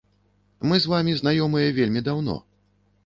Мы з вамі знаёмыя вельмі даўно.